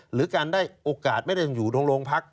หรือการได้โอกาสไม่ได้อยู่ตรงโรงพัก